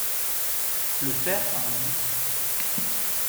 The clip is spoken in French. Le fer a un goût.